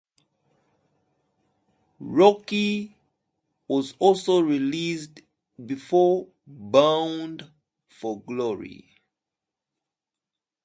"Rocky" was also released before "Bound For Glory".